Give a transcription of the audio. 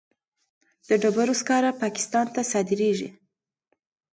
د ډبرو سکاره پاکستان ته صادریږي